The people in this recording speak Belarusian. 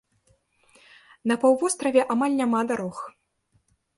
На паўвостраве амаль няма дарог.